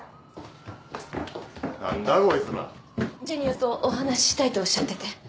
ジュニアとお話ししたいとおっしゃってて。